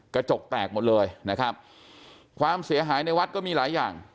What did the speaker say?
กระจกแตกหมดเลยนะครับความเสียหายในวัดก็มีหลายอย่าง